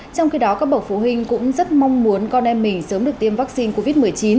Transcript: trong khi đó các bậc phụ huynh cũng rất mong muốn con em mình sớm được tiêm vaccine covid một mươi chín